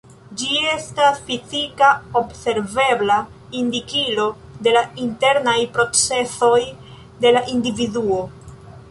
Ĝi estas fizika observebla indikilo de la internaj procezoj de la individuo.